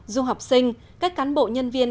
du học sinh các cán bộ nhân viên